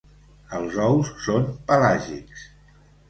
Els ous són pelàgics.